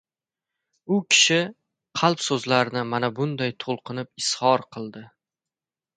U kishi qalb so‘zlarini mana bunday to‘lqinlanib izhor qildi: